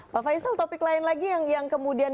pak faisal topik lain lagi yang kemudian